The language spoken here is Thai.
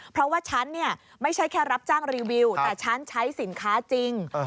เพราะว่าฉันเนี่ยไม่ใช่แค่รับจ้างรีวิวแต่ฉันใช้สินค้าจริง